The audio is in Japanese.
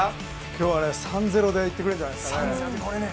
今日は３−０でいってくれるんじゃないですかね。